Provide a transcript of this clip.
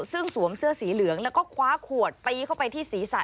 ซึ่งสวมเสื้อสีเหลืองแล้วก็คว้าขวดตีเข้าไปที่ศีรษะ